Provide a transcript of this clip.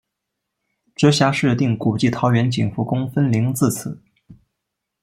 直辖市定古迹桃园景福宫分灵自此。